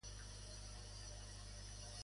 Què va fer Agis I?